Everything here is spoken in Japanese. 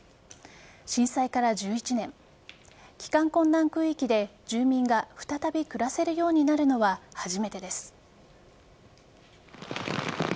震災から１１年帰還困難区域で住民が再び暮らせるようになるのは初めてです。